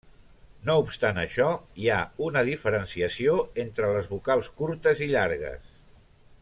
No obstant això, hi ha una diferenciació entre les vocals curtes i llargues.